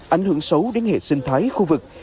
ảnh hưởng xấu đến hệ sinh thái khu vực